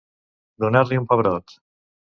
Donar-li un pebrot.